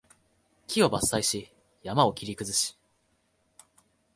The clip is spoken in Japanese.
木を伐採し、山を切り崩し